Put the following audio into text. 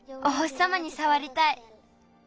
お星さまにさわりたい。